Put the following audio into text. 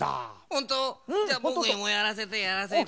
ほんと⁉じゃあぼくにもやらせてやらせて。